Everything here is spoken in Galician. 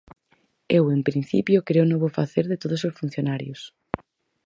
Eu, en principio, creo no bo facer de todos os funcionarios.